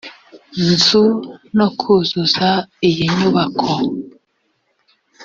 nzu no kuzuza iyi nyubako